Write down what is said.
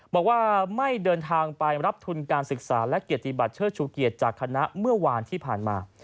บอกว่าไม่เดินทางไปรับทุนการศึกษาและเกียรติบัติเชิดชูเกียรติจากคณะเมื่อวานที่ผ่านมา